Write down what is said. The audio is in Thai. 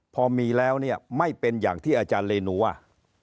พอมีแล้วเนี่ยไม่เป็นอย่างที่อาจารย์เรนูว่า